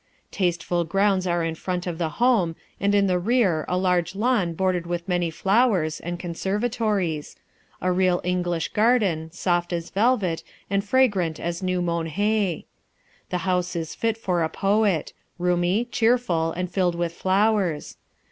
Tasteful grounds are in front of the home, and in the rear a large lawn bordered with many flowers, and conservatories; a real English garden, soft as velvet, and fragrant as new mown hay. The house is fit for a poet; roomy, cheerful, and filled with flowers.